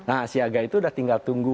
nah siaga itu udah tinggal tunggu